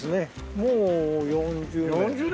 もう４０年。